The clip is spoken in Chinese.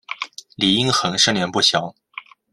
李殷衡生年不详。